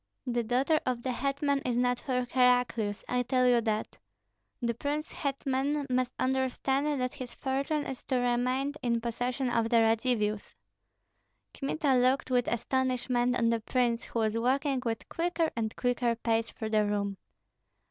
The daughter of the hetman is not for Heraclius, I tell you that! The prince hetman must understand that his fortune is to remain in possession of the Radzivills." Kmita looked with astonishment on the prince, who was walking with quicker and quicker pace through the room.